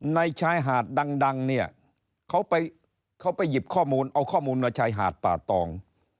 ในชายหาดดังเขาไปหยิบข้อมูลเอาข้อมูลว่าชายหาดป่าตอง